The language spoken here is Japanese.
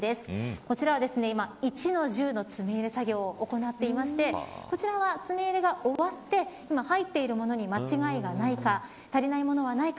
こちらは今一の重の詰め作業を行っていてこちらは詰め入れが終わって今入っているものに間違いがないか足りないものはないか。